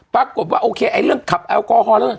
ปรากฏว่าโอเคเรื่องขับแอลกอลคอล